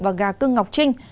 và gà cưng ngọc trinh